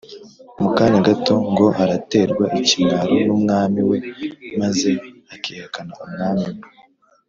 mu kanya gato ngo araterwa ikimwaro n’umwami we! maze akihakana umwami we